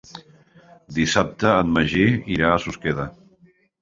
Dissabte en Magí irà a Susqueda.